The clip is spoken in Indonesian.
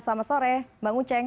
selamat sore mbak nguceng